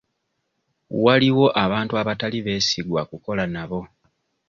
Waliwo abantu abatali beesigwa kukola nabo.